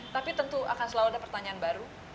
tapi tentu akan selalu ada pertanyaan baru